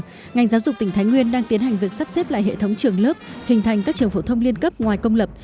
tuy nhiên ngành giáo dục tỉnh thái nguyên đang tiến hành việc sắp xếp lại hệ thống trường lớp hình thành các trường phổ thông liên cấp ngoài công lập